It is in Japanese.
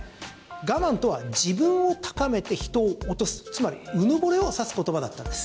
我慢とは自分を高めて人を落とすつまり、うぬぼれを指す言葉だったんです。